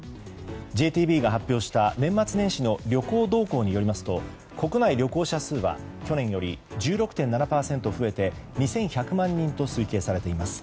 ＪＴＢが発表した年末年始の旅行動向によりますと国内旅行者数は去年より１６．７％増えて２１００万人と推計されています。